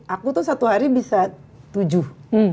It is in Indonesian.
aku tuh satu hari bisa tujuh